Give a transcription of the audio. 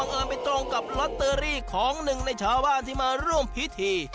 เอิญไปตรงกับลอตเตอรี่ของหนึ่งในชาวบ้านที่มาร่วมพิธี